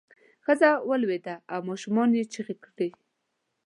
ښځه ولویده او ماشومانو یې چغې کړې.